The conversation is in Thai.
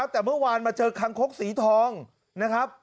แต่เมื่อวานมาเจอคังคกสีทองนะครับ